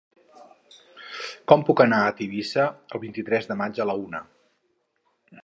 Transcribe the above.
Com puc anar a Tivissa el vint-i-tres de maig a la una?